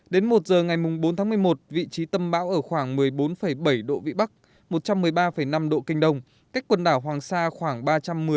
đến một h ngày bốn tháng một mươi một vị trí tâm bão ở khoảng một mươi bốn bảy độ vĩ bắc một trăm một mươi ba năm độ kinh đông cách quần đảo hoàng sa khoảng ba km